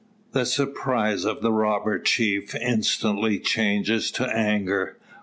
The surprise of the robber chief instantly changes to anger.